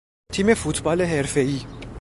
تیم فوتبال حرفهای